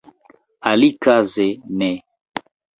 Alikaze ne.